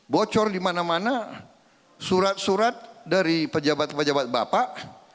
bocor di mana mana surat surat dari pejabat pejabat bapak